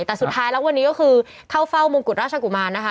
แต่สุดท้ายแล้ววันนี้ก็คือเข้าเฝ้ามงกุฎราชกุมารนะคะ